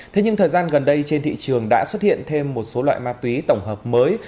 thế nhưng thời gian gần đây trên thị trường đã xuất hiện thêm một số loại ma túy tổng hợp mới